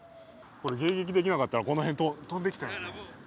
迎撃できなかったら、この辺、飛んできたよ。